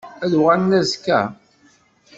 Ad d-uɣalen azekka?